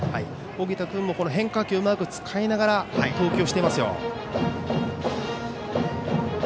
小北君も変化球をうまく使いながら投球をしていますよ。